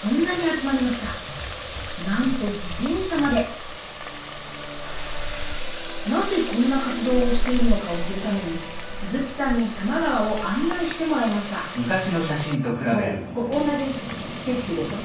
なんと自転車までなぜこんな活動をしているのかを知るために鈴木さんに多摩川を案内してもらいましたこれ同じ景色でしょ。